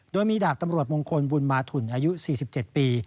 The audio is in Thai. โดยมีดาบตำรวจมงคลบุญมาถุนอายุ๔๗ปี